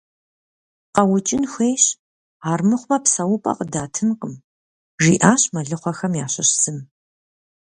КъэукӀын хуейщ, армыхъумэ псэупӀэ къыдатынкъым, - жиӀащ мэлыхъуэхэм ящыщ зым.